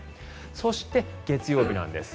そして、月曜日なんです。